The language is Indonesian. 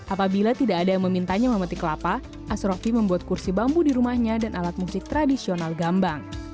apabila tidak ada yang memintanya memetik kelapa asrofi membuat kursi bambu di rumahnya dan alat musik tradisional gambang